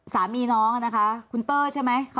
สามีน้องนะคะคุณเตอร์ใช่ไหม